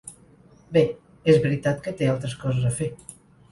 Bé, és veritat que té altres coses a fer.